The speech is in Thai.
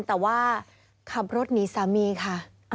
แต่ว่าขับรถหนีสามีค่ะ